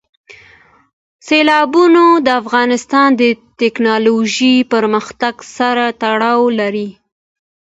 سیلابونه د افغانستان د تکنالوژۍ پرمختګ سره تړاو لري.